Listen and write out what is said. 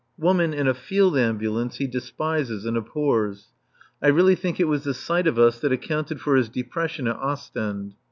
Woman in a field ambulance he despises and abhors. I really think it was the sight of us that accounted for his depression at Ostend.